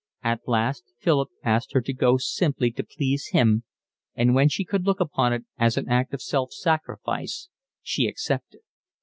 At last Philip asked her to go simply to please him, and when she could look upon it as an act of self sacrifice she accepted.